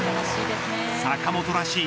坂本らしい